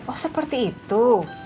oh seperti itu